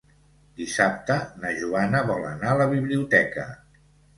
Dissabte na Joana vol anar a la biblioteca.